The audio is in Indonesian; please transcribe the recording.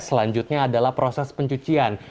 selanjutnya adalah proses pencucian